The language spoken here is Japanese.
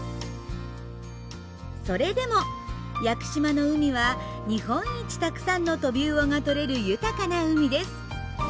それでも屋久島の海は日本一たくさんのトビウオが取れる豊かな海です。